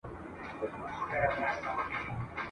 ښايي پر غوږونو به ښه ولګیږي!.